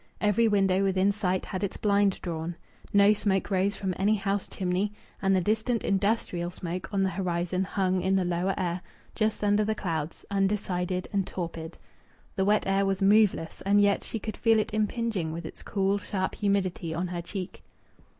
Every window within sight had its blind drawn. No smoke rose from any house chimney, and the distant industrial smoke on the horizon hung in the lower air, just under the clouds, undecided and torpid. The wet air was moveless, and yet she could feel it impinging with its cool, sharp humidity on her cheek.